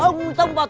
ông tông vào tôi